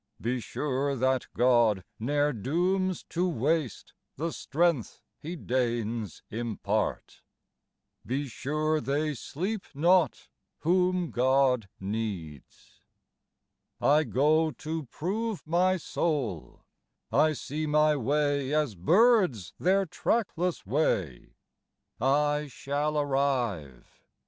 Be sure that God Ne'er dooms to waste the strength He deigns impart ! Be sure they sleep not whom God needs." I go to prove my soul ! I 3ee my way as birds their trackless way. 24 lEaster ITnterprcteD \ I shall arrive